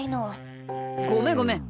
ごめんごめん。